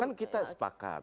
kan kita sepakat